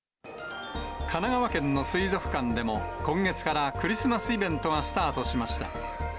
神奈川県の水族館でも、今月からクリスマスイベントがスタートしました。